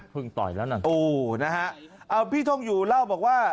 พึ่งต่อยแล้วนะฮะพี่ทองอยู่เล่าบอกว่า